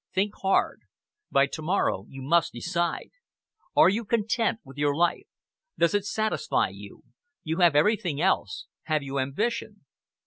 Think hard! By to morrow you must decide! Are you content with your life? Does it satisfy you? You have everything else; have you ambition?"